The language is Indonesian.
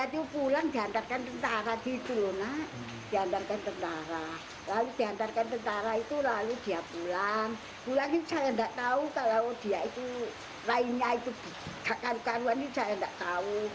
terus dia itu pulang diantarkan ke tempat itu